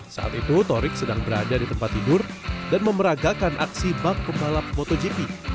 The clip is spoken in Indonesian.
saat itu torik sedang berada di tempat tidur dan memeragakan aksi bak pembalap motogp